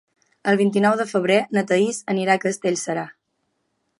El vint-i-nou de febrer na Thaís anirà a Castellserà.